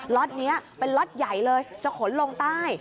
รถนี้เป็นรถใหญ่เลยจะขนลงใต้